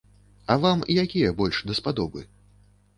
А вам якія больш даспадобы?